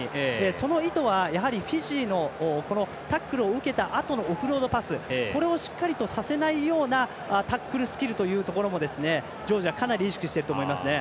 その意図は、やはりフィジーのタックルを受けたあとのオフロードパス、これをしっかりとさせないようなタックルスキルというところもジョージアかなり意識していると思います。